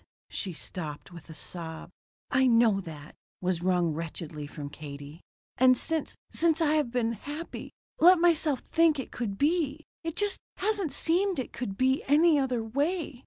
She stopped with a sob. "I know that," was wrung wretchedly from Katie. "And since since I have been happy let myself think it could be it just hasn't seemed it could be any other way.